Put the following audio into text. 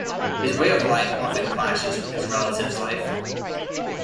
His way of life often clashes with his relatives' life.